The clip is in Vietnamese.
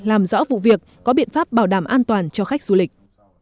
làm rõ vụ việc có biện pháp bảo đảm an toàn cho khách du lịch